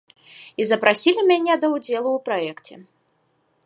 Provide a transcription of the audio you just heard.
І запрасілі мяне да ўдзелу ў праекце.